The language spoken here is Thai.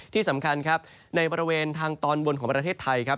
ที่สำคัญในประเวณทางตอนบนของประเทศไทย